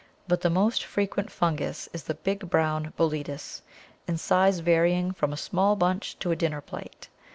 But the most frequent fungus is the big brown Boletus, in size varying from a small bun to a dinner plate.